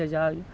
nó nhẹ thôi